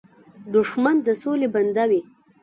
دښمن د سولې بنده وي